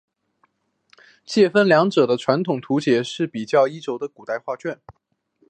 介分两者的传统图解就似比较一轴古代画卷。